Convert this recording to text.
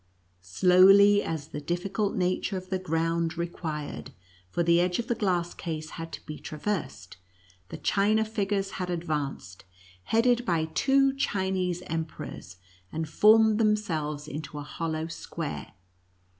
Slowly, as the difficult nature of the ground re quired — for the edge of the glass case had to be traversed — the china figures had advanced, headed by two Chinese emperors, and formed themselves into a hollow square.